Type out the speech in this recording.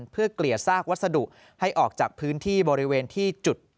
เพื่อเกลี่ยซากวัสดุให้ออกจากพื้นที่บริเวณที่จุด